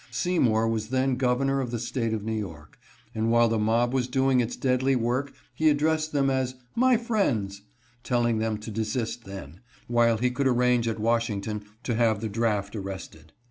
Seymour was then Governor of the State of New York, and while the mob was doing its deadly work he addressed them as " My friends," telling them to desist then, while he could arrange at Washington to have the draft arrested.